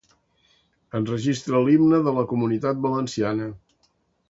Enregistra l'himne de la Comunitat Valenciana.